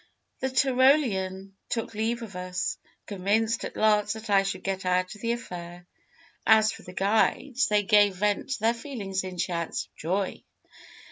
The Tyrolean took leave of us, convinced at last that I should get out of the affair. As for the guides, they gave vent to their feelings in shouts of joy.